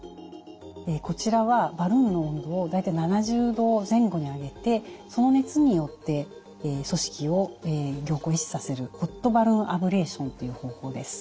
こちらはバルーンの温度を大体７０度前後に上げてその熱によって組織を凝固壊死させるホットバルーンアブレーションという方法です。